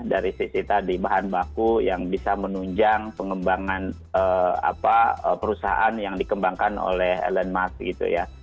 dari sisi tadi bahan baku yang bisa menunjang pengembangan perusahaan yang dikembangkan oleh elon musk gitu ya